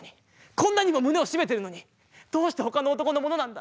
こんなにも胸をしめているのにどうして他の男のものなんだ。